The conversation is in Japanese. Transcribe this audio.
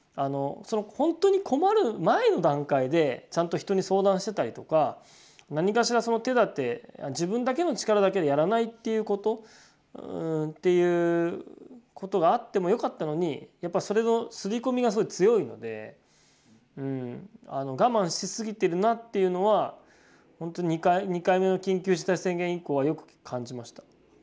ほんとに困る前の段階でちゃんと人に相談してたりとか何かしらその手だて自分だけの力だけでやらないっていうことっていうことがあってもよかったのにやっぱそれのすり込みが強いので我慢しすぎてるなっていうのはほんと２回目の緊急事態宣言以降はよく感じました。